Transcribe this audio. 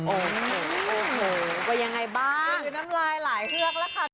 โอเคโอเคว่ายังไงบ้างน้ำลายหลายเคือกแล้วค่ะ